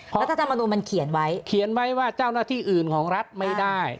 รัฐธรรมนุนมันเขียนไว้เขียนไว้ว่าเจ้าหน้าที่อื่นของรัฐไม่ได้